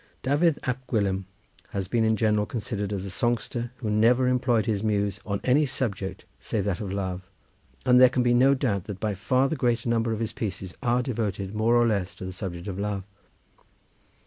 Dafydd Ab Gwilym has been in general considered as a songster who never employed his muse on any subject save that of love, and there can be no doubt that by far the greater number of his pieces are devoted more or less to the subject of love.